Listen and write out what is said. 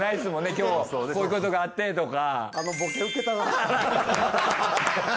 今日こういうことがあってとか。